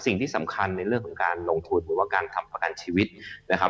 สิ่งที่สำคัญในเรื่องของการลงทุนหรือว่าการทำประกันชีวิตนะครับ